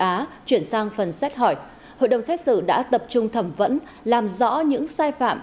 đánh giá chuyển sang phần xét hỏi hội đồng xét xử đã tập trung thẩm vẫn làm rõ những sai phạm